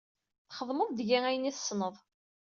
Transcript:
Txedmeḍ deg-i ayen i tessneḍ.